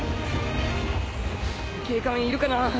警官いるかな？